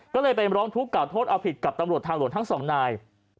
ก็เลยไปร้องทุกข่าโทษเอาผิดกับตำรวจทางหลวงทั้งสองนาย